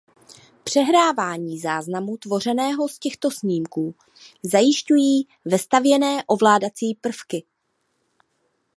Přehrávání záznamu tvořeného z těchto snímků zajišťují vestavěné ovládací prvky.